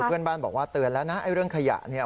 เพื่อนบ้านบอกว่าเตือนแล้วนะไอ้เรื่องขยะเนี่ย